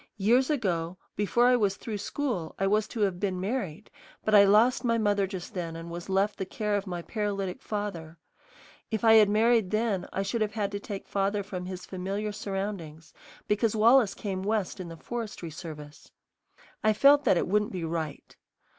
Years ago, before I was through school, I was to have been married; but I lost my mother just then and was left the care of my paralytic father. If I had married then, I should have had to take father from his familiar surroundings, because Wallace came West in the forestry service. I felt that it wouldn't be right.